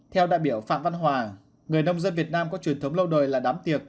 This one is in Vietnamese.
theo đại biểu phạm văn hòa người nông dân việt nam có truyền thống lâu đời là đám tiệc